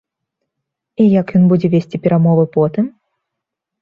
І як ён будзе весці перамовы потым?